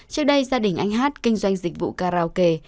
trước đây gia đình anh hát kinh doanh dịch vụ karaoke